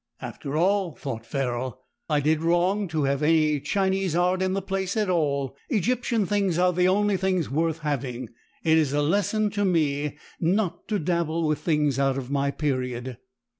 "After all," thought Ferrol, "I did wrong to have any Chinese art in the place at all. Egyptian things are the only things worth having. It is a lesson to me not to dabble with things out of my period."